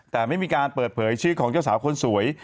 แต่ไม่มีการเปิดเผยชื่อของเจ้าสาวคนสวย